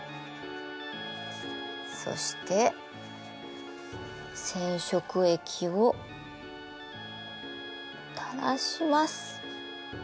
そして染色液をたらします。